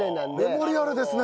メモリアルですね。